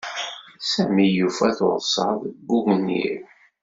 Sami yufa tursaḍ deg ugwnir.